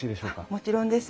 もちろんです。